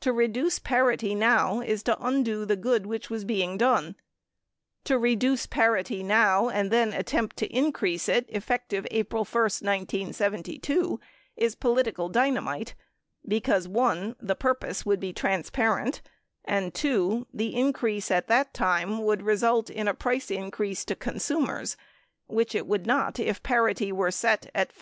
To reduce parity now is to undo the good which was being done. To reduce parity now and then attempt to increase it effective April 1, 1972 is political dynamite be cause (1) the purpose would be transparent and (2) the in crease at that time would result in a price increase to con sumers (which it would not if parity were set at $5.